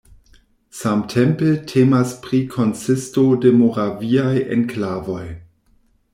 Samtempe temas pri konsisto de Moraviaj enklavoj.